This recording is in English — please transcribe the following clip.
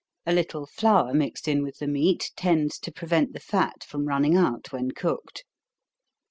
A little flour mixed in with the meat, tends to prevent the fat from running out when cooked.